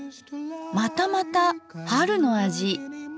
またまた春の味。